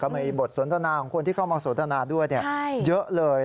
มีบทสนทนาของคนที่เข้ามาสนทนาด้วยเยอะเลย